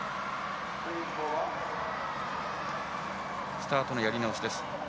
スタートのやり直し。